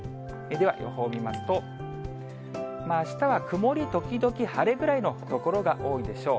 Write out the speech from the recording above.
では、予報見ますと、あしたは曇り時々晴れぐらいの所が多いでしょう。